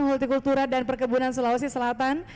hulti kultura dan perkebunan sulawesi selatan